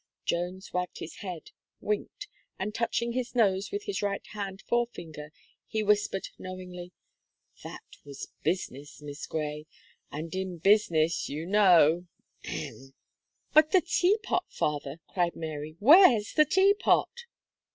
Jones wagged his head, winked, and touching his nose with his right hand forefinger, he whispered knowingly: "That was business, Miss Gray, and in business, you know hem!" "But the Teapot, father," cried Mary, "where's the Teapot?"